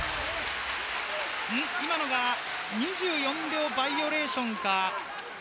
今のが２４秒バイオレーションか。